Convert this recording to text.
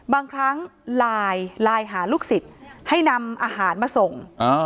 บางครั้งไลน์ไลน์หาลูกศิษย์ให้นำอาหารมาส่ง